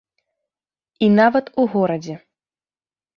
І нават у горадзе.